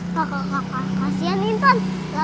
kakak kakak kasihan nintan